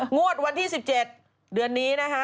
งวดวันที่๑๗เดือนนี้นะคะ